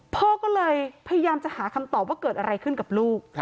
พ่อก็เลยพยายามจะหาคำตอบว่าเกิดอะไรขึ้นกับลูก